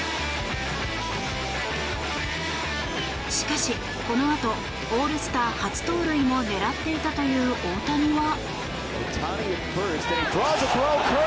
しかし、このあとオールスター初盗塁も狙っていたという大谷は。